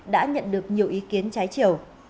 đã nhận được nhiều ý kiến trái chiều